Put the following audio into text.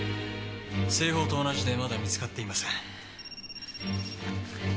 製法と同じでまだ見つかっていません。